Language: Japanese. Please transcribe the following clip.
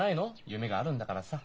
夢があるんだからさ。